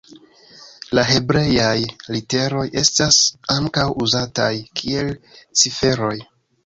La hebreaj literoj estas ankaŭ uzataj kiel ciferoj.